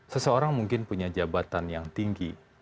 seseorang mungkin punya jabatan yang tinggi